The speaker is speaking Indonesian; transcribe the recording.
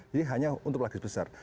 jadi hanya untuk pelagis besar